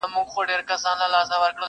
وخت که لېونی سو، توپانونو ته به څه وایو٫